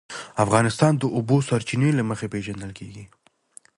افغانستان د د اوبو سرچینې له مخې پېژندل کېږي.